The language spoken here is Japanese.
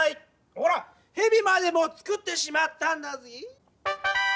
ほら「ヘビ」までもつくってしまったんだぜぇ。